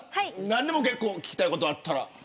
何でも結構聞きたいことあれば。